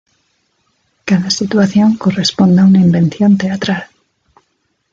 Cada situación corresponde a una invención teatral".